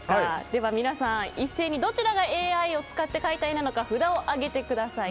では皆さん一斉にどちらがＡＩを使って描いた絵なのか札を上げてください。